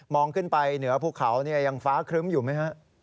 ขึ้นไปเหนือภูเขายังฟ้าครึ้มอยู่ไหมฮะ